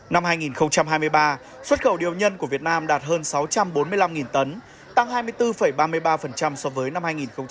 năm hai nghìn hai mươi ba xuất khẩu điều nhân của việt nam đạt hơn sáu trăm bốn mươi năm tấn tăng hai mươi bốn ba mươi ba so với năm hai nghìn hai mươi hai